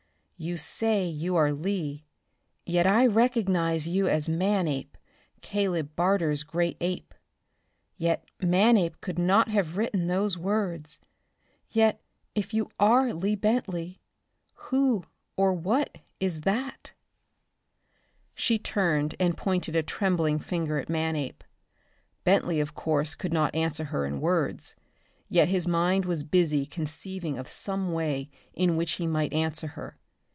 You say you are Lee, yet I recognize you as Manape, Caleb Barter's great ape. Yet Manape could not have written those words. Yet, if you are Lee Bentley, who or what is that?" She turned and pointed a trembling finger at Apeman. Bentley of course could not answer her in words, yet his mind was busy conceiving of some way in which he might answer her.